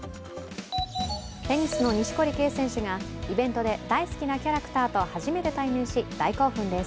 テニスの錦織圭選手がイベントで大好きなキャラクターと初めて対面し、大興奮です。